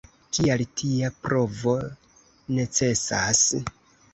Kial tia provo necesas?